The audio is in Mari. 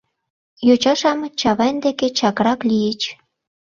Йоча-шамыч Чавайн деке чакрак лийыч.